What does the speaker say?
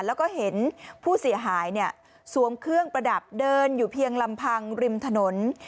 แล้วก็เห็นผู้เสียหายสวมเครื่องประดับเดินอยู่เพียงลำพังริมถนน